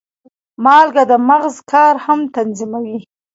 مالګه د مغز کار هم تنظیموي.